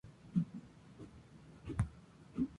Su estilo característico pasará a la posteridad.